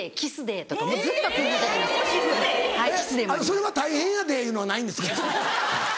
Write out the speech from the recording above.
「それは大変やデー」いうのはないんですか？